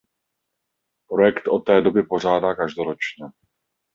Projekt o té doby pořádá každoročně.